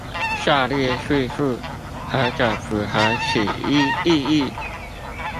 下列敘述何者符合此一意義？